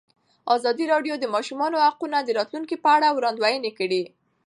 ازادي راډیو د د ماشومانو حقونه د راتلونکې په اړه وړاندوینې کړې.